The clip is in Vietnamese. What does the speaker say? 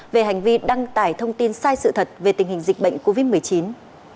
về hành vi đăng tải thông tin sai sự thật về tình hình dịch bệnh covid một mươi chín